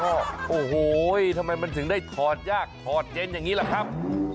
โอ้โหทำไมมันถึงได้ถอดยากถอดเย็นอย่างนี้ล่ะครับ